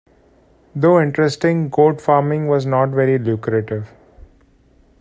Though interesting, goat farming was not very lucrative.